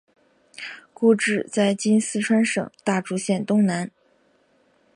故治在今四川省大竹县东南。